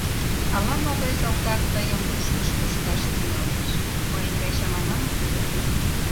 Ала-могай салтак тыйым кушкыж кошташ тӱҥалеш, мыйын гай чамана мо тудо?